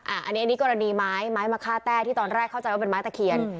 อันนี้กรณีไม้ไม้มะค่าแต้ที่ตอนแรกเข้าใจว่าเป็นไม้ตะเคียน